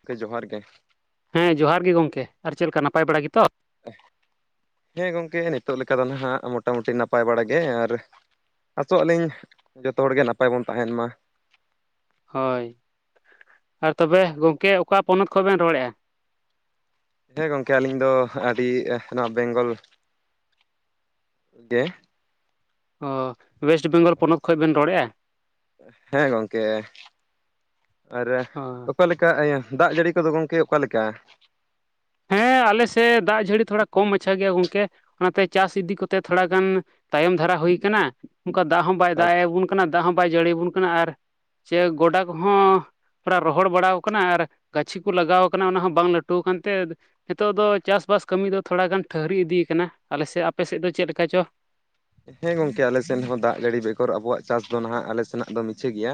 ᱜᱚᱝᱠᱮ ᱡᱚᱦᱟᱨ ᱜᱮ, ᱦᱮᱸ ᱡᱚᱦᱟᱨ ᱜᱮ ᱜᱚᱝᱠᱮ ᱟᱨ ᱪᱮᱫ ᱞᱮᱠᱟ ᱱᱟᱯᱟᱭ ᱵᱟᱲᱟ ᱜᱮᱛᱚ? ᱦᱮᱸ ᱜᱚᱝᱠᱮ ᱱᱤᱛᱚᱜ ᱞᱮᱠᱟ ᱫᱚ ᱱᱟᱦᱟᱸᱜ ᱢᱳᱴᱟᱢᱩᱴᱤ ᱱᱟᱯᱟᱭ ᱵᱟᱲᱟ ᱜᱮ ᱟᱨ, ᱟᱥᱚᱜ ᱟᱹᱞᱤᱧ ᱡᱚᱛᱚ ᱦᱚᱲᱜᱮ ᱱᱟᱯᱟᱭ ᱵᱚᱱ ᱛᱟᱦᱮᱸᱱ ᱢᱟ᱾ ᱦᱳᱭ ᱟᱨ ᱛᱚᱵᱮ ᱜᱚᱝᱠᱮ ᱚᱠᱟ ᱯᱚᱱᱚᱛ ᱠᱷᱚᱱ ᱵᱮᱱ ᱨᱚᱲᱮᱜᱼᱟ? ᱦᱮᱸ ᱜᱚᱝᱠᱮ ᱟᱹᱞᱤᱧ ᱫᱚ ᱟᱹᱰᱤ ᱱᱚᱣᱟ ᱵᱮᱝᱜᱚᱞ ᱜᱮ ᱚ ᱳᱭᱮᱥᱴ ᱵᱮᱝᱜᱚᱞ ᱯᱚᱱᱚᱛ ᱟᱪᱪᱷᱟ ᱠᱷᱚᱡ ᱵᱮᱱ ᱨᱚᱲᱮᱜᱼᱟ ᱦᱮᱸ ᱜᱚᱝᱠᱮ, ᱟᱨᱮ ᱚ ᱚᱠᱟᱞᱮᱠᱟ ᱤᱭᱟᱹ ᱫᱟᱜᱽ ᱡᱟᱹᱲᱤ ᱠᱚᱫᱚ ᱜᱚᱝᱠᱮ ᱚᱠᱟᱞᱮᱠᱟ? ᱦᱮᱸ ᱟᱞᱮᱥᱮᱜ ᱫᱟᱜᱽ ᱡᱟᱹᱲᱤ ᱛᱷᱚᱲᱟ ᱠᱚᱢ ᱢᱟᱪᱷᱟ ᱜᱮᱭᱟ ᱜᱚᱝᱠᱮ᱾ ᱚᱱᱟᱛᱮ ᱪᱟᱥ ᱤᱫᱤ ᱠᱚᱛᱮ ᱛᱷᱳᱲᱟ ᱜᱟᱱ ᱛᱟᱭᱚᱢ ᱫᱷᱟᱨᱟ ᱦᱩᱭ ᱠᱟᱱᱟ ᱚᱱᱠᱟ ᱫᱟᱜᱽ ᱦᱚᱸ ᱵᱟᱭ ᱫᱟᱜᱽ ᱮ ᱟᱪᱪᱷᱟ ᱟᱵᱚᱱ ᱠᱟᱱᱟ ᱫᱟᱜᱽ ᱦᱚᱸ ᱵᱟᱭ ᱡᱟᱹᱲᱤᱭᱟᱵᱚᱱ ᱠᱟᱱᱟ ᱟᱨ ᱥᱮ ᱜᱚᱰᱟ ᱠᱚᱦᱚᱸ, ᱯᱟᱲᱟᱜ ᱨᱚᱦᱚᱲ ᱵᱟᱲᱟᱣ ᱠᱟᱱᱟ ᱟᱨ ᱜᱟᱹᱪᱷᱤ ᱠᱚ ᱞᱟᱜᱟᱣ ᱟᱠᱟᱱᱟ ᱚᱱᱟ ᱦᱚᱸ ᱵᱟᱝ ᱞᱟᱹᱴᱩ ᱟᱠᱟᱱᱛᱮ ᱱᱤᱛᱚᱜ ᱫᱚ ᱪᱟᱥᱵᱟᱥ ᱠᱟᱹᱢᱤ ᱫᱚ ᱛᱷᱳᱲᱟ ᱜᱟᱱ ᱴᱷᱟᱹᱨᱤ ᱤᱫᱤᱭ ᱟᱠᱟᱱᱟ ᱟᱞᱮᱥᱮᱜ ᱟᱯᱮᱥᱮᱜ ᱫᱚ ᱪᱮᱫ ᱞᱮᱠᱟ ᱪᱚ? ᱦᱮᱸ ᱜᱚᱝᱠᱮ ᱟᱞᱮ ᱥᱮᱱ ᱦᱚᱸ ᱫᱟᱜᱽ ᱡᱟᱹᱲᱤ ᱵᱮᱜᱚᱨ ᱟᱵᱚᱣᱟᱜ ᱪᱟᱥ ᱫᱚ ᱱᱟᱦᱟᱸᱜ ᱟᱞᱮ ᱥᱮᱱᱟᱜ ᱫᱚ ᱢᱤᱪᱷᱟᱹ ᱜᱮᱭᱟ᱾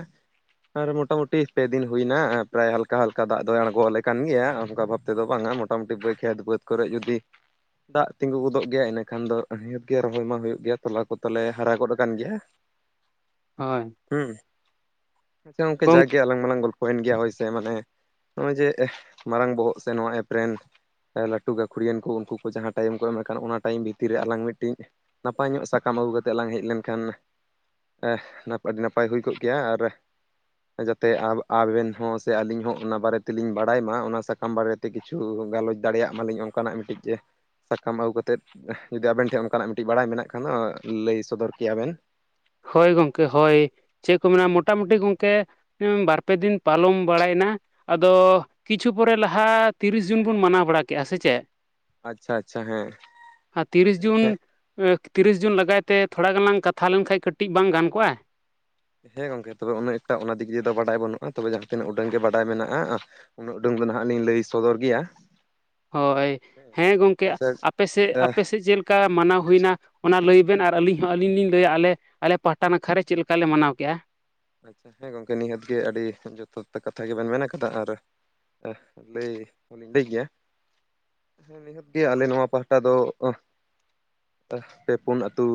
ᱟᱨ ᱢᱳᱴᱟᱢᱩᱴᱤ ᱯᱮ ᱫᱤᱱ ᱦᱩᱭᱱᱟ ᱯᱨᱟᱭ ᱦᱟᱞᱠᱟ ᱦᱟᱞᱠᱟ ᱫᱟᱜᱽ ᱫᱚᱭ ᱟᱬᱜᱚᱣᱟᱞᱮ ᱠᱟᱱ ᱜᱮᱭᱟ ᱚᱱᱠᱟ ᱵᱷᱟᱵᱽ ᱛᱮ ᱫᱚ ᱵᱟᱝᱟ, ᱢᱳᱴᱟᱼᱢᱩᱴᱤ ᱵᱟᱹᱭ ᱠᱷᱮᱛ ᱵᱟᱹᱫᱽ ᱠᱚᱨᱮ ᱡᱩᱫᱤ ᱫᱟᱜᱽ ᱛᱤᱸᱜᱩ ᱜᱚᱫᱚᱜ ᱜᱮᱭᱟ ᱤᱱᱟᱹᱠᱷᱟᱱ ᱫᱚ ᱱᱤᱦᱟᱹᱛ ᱜᱮ ᱨᱚᱦᱚᱭ ᱢᱟ ᱦᱩᱭᱩᱜ ᱜᱮᱭᱟ᱾ ᱛᱚᱞᱟ ᱠᱚᱛᱟᱞᱮ ᱦᱟᱨᱟ ᱜᱚᱫ ᱟᱠᱟᱱ ᱜᱮᱭᱟ ᱦᱳᱭ ᱦᱮᱸ ᱟᱪᱪᱷᱟ ᱜᱚᱝᱠᱮ ᱜᱚᱝ ᱡᱟᱜᱮ ᱟᱞᱟᱝ ᱢᱟᱞᱟᱝ ᱜᱚᱞᱯ ᱯᱚᱭᱮᱱ ᱜᱮᱭᱟ ᱦᱟᱳᱭᱥᱮ ᱢᱟᱱᱮ ᱱᱚᱜᱼᱚᱭ ᱡᱮ ᱢᱟᱨᱟᱝ ᱵᱚᱦᱚᱜ ᱥᱮ ᱱᱚᱣᱟ ᱮᱯ ᱨᱮᱱ, ᱞᱟᱹᱴᱩ ᱜᱟᱹᱠᱷᱩᱲᱤᱭᱟᱹᱱ ᱠᱚ ᱩᱱᱠᱩ ᱠᱚ ᱡᱟᱦᱟᱸ ᱴᱟᱭᱤᱢ ᱠᱚ ᱮᱢ ᱠᱟᱱ ᱚᱱᱟ ᱴᱟᱭᱤᱢ ᱵᱷᱤᱛᱤᱨ ᱨᱮ ᱟᱞᱟᱝ ᱢᱤᱫᱴᱤᱡ ᱱᱟᱯᱟᱭ ᱧᱚᱜ ᱥᱟ ᱛᱟᱢ ᱟᱹᱜᱩ ᱠᱟᱛᱮᱜ ᱞᱟᱝ ᱦᱮᱡ ᱞᱮᱱᱠᱷᱟᱱ ᱟᱹᱰᱤ ᱱᱟᱯᱟᱭ ᱦᱩᱭ ᱠᱚᱜ ᱠᱮᱭᱟ ᱟᱨ ᱡᱟᱛᱮ ᱟᱵᱮᱼᱟᱵᱮᱱ ᱦᱚᱸ ᱥᱮ ᱟᱞᱤᱧ ᱦᱚᱸ ᱚᱱᱟ ᱵᱟᱨᱮ ᱛᱮᱞᱤᱧ ᱵᱟᱲᱟᱭ ᱢᱟ ᱚᱱᱟ ᱥᱟᱠᱟᱢ ᱵᱟᱨᱮ ᱛᱮ ᱠᱤᱪᱷᱩ ᱜᱟᱞᱚᱪ ᱫᱟᱲᱮᱭᱟᱜ ᱢᱟᱞᱤᱧ ᱚᱱᱠᱟᱱᱟᱜ ᱢᱤᱫᱴᱤᱡ ᱡᱮ ᱥᱟᱠᱟᱢ ᱟᱹᱜᱩ ᱠᱟᱛᱮᱫ ᱡᱩᱫᱤ ᱟᱵᱮᱱ ᱴᱷᱮᱱ ᱚᱱᱠᱟᱱᱟᱜ ᱢᱤᱫᱴᱤᱡ ᱵᱟᱲᱟᱭ ᱢᱮᱱᱟᱜ ᱠᱷᱟᱱ ᱫᱚ ᱞᱟᱹᱭ ᱥᱚᱫᱚᱨ ᱠᱮᱭᱟ ᱵᱮᱱ᱾ ᱦᱳᱭ ᱜᱚᱝᱠᱮ ᱦᱳᱭ ᱪᱮᱫ ᱠᱚ ᱢᱮᱱᱟ ᱢᱳᱴᱟᱢᱩᱴᱤ ᱜᱚᱝᱠᱮ ᱵᱟᱨᱼᱯᱮ ᱫᱤᱱ ᱯᱟᱞᱚᱢ ᱵᱟᱲᱟᱭᱮᱱᱟ ᱟᱫᱚ ᱠᱤᱪᱷᱩ ᱯᱚᱨᱮ ᱞᱟᱦᱟ ᱛᱤᱨᱤᱥ ᱡᱩᱱ ᱵᱚᱱ ᱢᱟᱱᱟᱣ ᱵᱟᱲᱟ ᱠᱮᱜᱼᱟ ᱥᱮ ᱪᱮᱫ ᱟᱪᱪᱷᱟ ᱟᱪᱪᱷᱟ ᱦᱮᱸ ᱟᱨ ᱛᱤᱨᱤᱥ ᱡᱩᱱ, ᱛᱤᱨᱤᱥ ᱡᱩᱱ ᱞᱟᱜᱟᱭ ᱛᱮ ᱛᱷᱳᱲᱟ ᱜᱟᱱ ᱞᱟᱝ ᱠᱟᱛᱷᱟ ᱞᱮᱱᱠᱟᱱ ᱠᱟᱹᱴᱤᱜ ᱵᱟᱝ ᱜᱟᱱ ᱠᱚᱜᱼᱟ? ᱦᱮᱸ ᱜᱚᱝᱠᱮ ᱛᱚᱵᱮ ᱩᱱᱟᱹᱜ ᱮᱠᱴᱟ ᱚᱱᱟ ᱫᱤᱠᱭᱮ ᱫᱚ ᱵᱟᱰᱟᱭ ᱵᱟᱹᱱᱩᱜᱼᱟ ᱛᱚᱵᱮ ᱡᱟᱦᱟᱸ ᱛᱤᱱᱟᱹᱜ ᱩᱰᱟᱹᱝ ᱜᱮ ᱵᱟᱰᱟᱭ ᱢᱮᱱᱟᱜᱼᱟ᱾ ᱩᱱᱟᱹᱜ ᱩᱰᱟᱹᱝ ᱫᱚ ᱱᱟᱦᱟᱸᱜ ᱞᱤᱧ ᱞᱟᱹᱭ ᱥᱚᱫᱚᱨ ᱜᱮᱭᱟ᱾ ᱦᱳᱭ ᱦᱮᱸ ᱜᱚᱝᱠᱮ ᱟᱪᱪᱷᱟ ᱟᱯᱮ ᱥᱮᱫ ᱟᱯᱮ ᱥᱮᱫ ᱪᱮᱫ ᱞᱮᱠᱟ ᱢᱟᱱᱟᱣ ᱦᱩᱭᱱᱟ? ᱚᱱᱟ ᱞᱟᱹᱭ ᱵᱮᱱ ᱟᱨ ᱟᱹᱞᱤᱧ ᱦᱚᱸ ᱟᱹᱞᱤᱧ ᱞᱤᱧ ᱞᱟᱹᱭᱟ ᱟᱞᱮ ᱟᱞᱮ ᱯᱟᱦᱟᱴᱟ ᱱᱟᱠᱷᱟ ᱨᱮ ᱪᱮᱫ ᱞᱮᱠᱟ ᱞᱮ ᱢᱟᱱᱟᱣ ᱠᱮᱜᱼᱟ᱾ ᱟᱪᱪᱷᱟ ᱦᱮᱸ ᱜᱚᱝᱠᱮ ᱱᱤᱦᱟᱹᱛ ᱜᱮ ᱟᱹᱰᱤ ᱡᱚᱛᱷᱟᱛ ᱠᱟᱛᱷᱟ ᱜᱮᱵᱮᱱ ᱢᱮᱱ ᱟᱠᱟᱫᱟ ᱟᱨ᱾ ᱞᱟᱹᱭ ᱦᱚᱸ ᱞᱤᱧ ᱞᱟᱹᱭ ᱜᱮᱭᱟ ᱮ ᱱᱤᱦᱟᱹᱛ ᱜᱮ ᱟᱞᱮ ᱱᱚᱣᱟ ᱯᱟᱦᱴᱟ ᱫᱚ ᱾ ᱯᱮ ᱯᱩᱱ ᱟᱹᱛᱩ